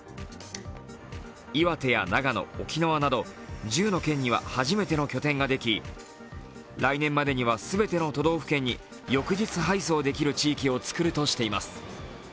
岩手や長野、沖縄など１０の県には初めての拠点ができ来年までには全ての都道府県に翌日配送できる地域を作るとしています。